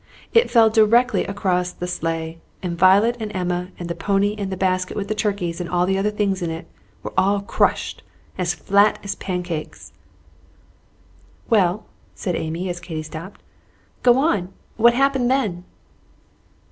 It fell directly across the sleigh, and Violet and Emma and the pony and the basket with the turkey and the other things in it were all crushed as flat as pancakes!" "Well," said Amy, as Katy stopped, "go on! what happened then?"